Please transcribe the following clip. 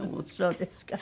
そうですか。